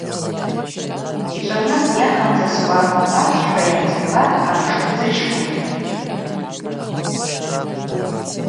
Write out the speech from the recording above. Йчӏварныс йахамдзаскӏва, къвакь - хӏва, йамхъцӏпӏлатӏ амшӏтдзычкӏвын.